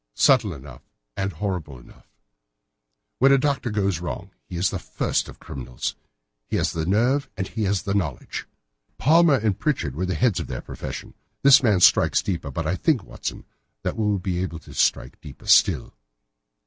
"Subtle enough and horrible enough. When a doctor does go wrong he is the first of criminals. He has nerve and he has knowledge. Palmer and Pritchard were among the heads of their profession. This man strikes even deeper, but I think, Watson, that we shall be able to strike deeper still.